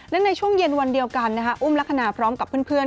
และในช่วงเย็นวันเดียวกันอุ้มลักษณะพร้อมกับเพื่อน